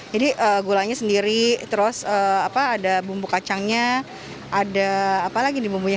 jadi gulanya sendiri terus ada bumbu kacangnya ada apa lagi nih bumbunya